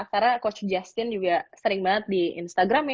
karena coach justin juga sering banget di instagram